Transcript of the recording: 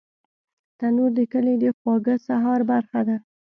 تنور د کلي د خواږه سهار برخه ده